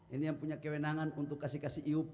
ini yang punya kewenangan untuk kasih kasih iup